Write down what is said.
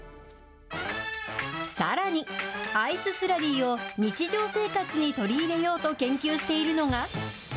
さらに、アイススラリーを日常生活に取り入れようと研究しているのが。